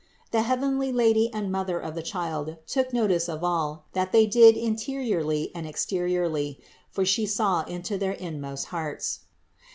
The heavenly Lady and Mother of the Child took notice of all that they did interiorly and exteriorly; for She saw into their in most hearts.